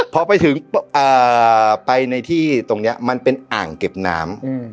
พอไปถึงไปในที่ตรงนี้มันเป็นอ่างเก็บน้ำ